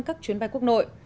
các chuyến bay quốc nội